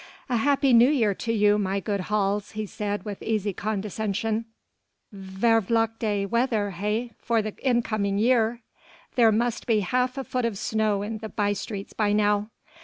"A happy New Year to you, my good Hals," he said with easy condescension. "Vervloekte weather, eh for the incoming year! there must be half a foot of snow in the by streets by now."